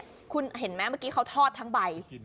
แล้วเนี่ยคุณเห็นไหมเมื่อกี้เขาทอดทั้งใบ